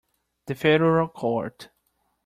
The federal court.